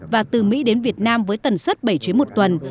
và từ mỹ đến việt nam với tần suất bảy chuyến một tuần